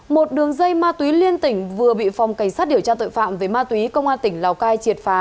một đường dây ma túy liên tỉnh vừa bị phòng cảnh sát điều tra tội phạm về ma túy công an tỉnh lào cai triệt phá